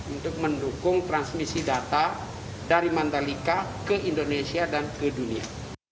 untuk mendukung transmisi data dari mandalika ke indonesia dan ke dunia